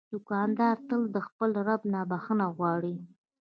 دوکاندار تل د خپل رب نه بخښنه غواړي.